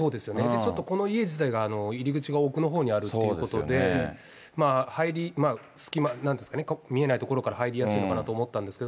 ちょっとこの家自体が、入り口が奥のほうにあるということで、隙間、なんて言うんですかね、見えない所から入りやすいのかなと思ったりしたんですけど。